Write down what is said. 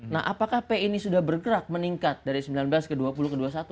nah apakah p ini sudah bergerak meningkat dari sembilan belas ke dua puluh ke dua puluh satu